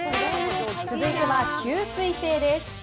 続いては吸水性です。